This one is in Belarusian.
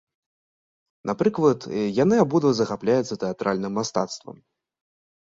Напрыклад, яны абодва захапляюцца тэатральным мастацтвам.